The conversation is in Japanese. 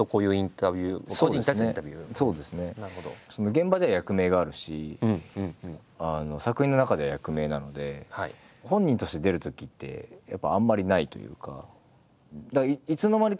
現場では役名があるし作品の中では役名なので本人として出るときってやっぱあんまりないというか。